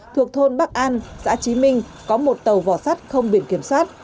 thuộc thôn bắc an xã trí minh có một tàu vỏ sắt không biển kiểm soát